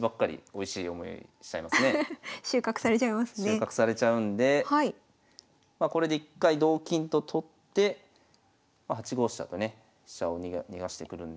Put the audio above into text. それだと収穫されちゃうんでこれで一回同金と取って８五飛車とね飛車を逃がしてくるんですけど。